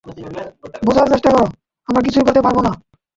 বুঝার চেষ্টা করো, আমরা কিছুই করতে পারব না।